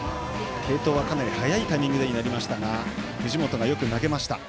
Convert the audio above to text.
継投はかなり早いタイミングでになりましたが藤本がよく投げました。